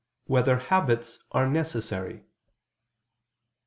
4] Whether Habits Are Necessary?